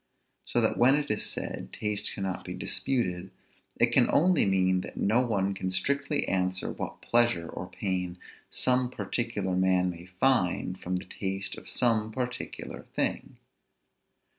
So that when it is said, taste cannot be disputed, it can only mean, that no one can strictly answer what pleasure or pain some particular man may find from the taste of some particular thing.